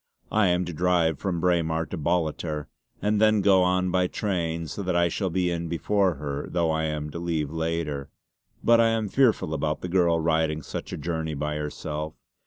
I am to drive from Braemar to Ballater and then go on by train so that I shall be in before her, though I am to leave later. But I am fearful about the girl riding such a journey by herself.